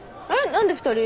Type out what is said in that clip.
何で２人？